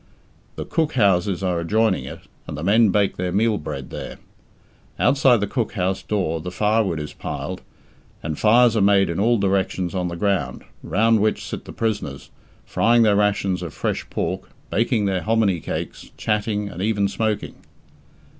The cook houses are adjoining it, and the men bake their meal bread there. Outside the cook house door the firewood is piled, and fires are made in all directions on the ground, round which sit the prisoners, frying their rations of fresh pork, baking their hominy cakes, chatting, and even smoking.